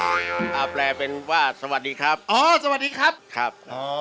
เอาแปลเป็นว่าสวัสดีครับอ๋อสวัสดีครับครับอ๋อ